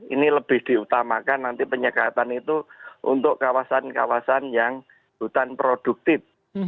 ini lebih diutamakan nanti penyekatan itu untuk kawasan kawasan yang hutan produktif